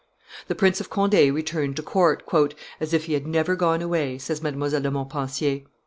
The Prince of Conde returned to court, "as if he had never gone away," says Mdlle. de Montpensier.